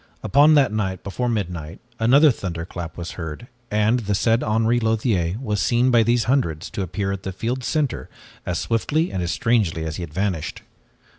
Upon that night before midnight, another thunderclap was heard and the said Henri Lothiere was seen by these hundreds to appear at the field's center as swiftly and as strangely as he had vanished.